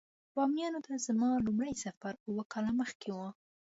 باميان ته زما لومړی سفر اووه کاله مخکې و.